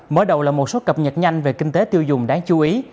mới đầu là một số cập nhật nhanh về kinh tế tiêu dùng đáng chú ý